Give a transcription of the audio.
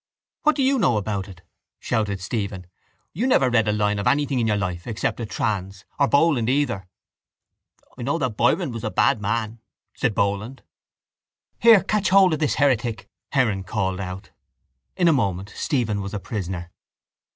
—What do you know about it? shouted Stephen. You never read a line of anything in your life except a trans or Boland either. —I know that Byron was a bad man, said Boland. —Here, catch hold of this heretic, Heron called out. In a moment Stephen was a prisoner.